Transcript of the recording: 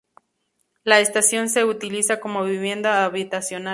La estación se utiliza como vivienda habitacional.